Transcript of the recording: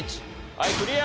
はいクリア！